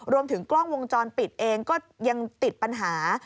รวมถึงกล้องวงจรปิดเองก็ยังติดปัญหา